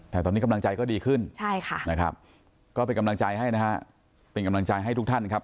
แต่ตอนนี้กำลังใจก็ดีขึ้นเป็นกำลังใจให้ทุกท่านครับ